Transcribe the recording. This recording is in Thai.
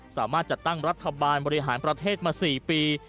สามารถจัดตั้งรัฐบาลบริหารประเทศมา๔ปี